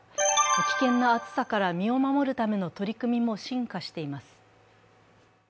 危険な暑さから身を守るための取り組みも進化しています。